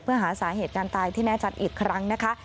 เพื่อหาสาเหตุการตายที่แน่ชัดอีกครั้งนะคะ